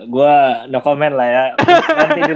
gue no comment lah ya nanti dilihat